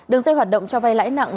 đường dây hoạt động cho vay lãi nặng